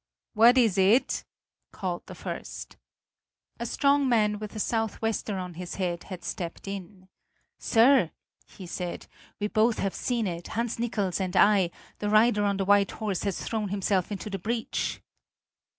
"What is it?" called the first. A strong man with a southwester on his head had stepped in. "Sir," he said, "we both have seen it Hans Nickels and I: the rider on the white horse has thrown himself into the breach."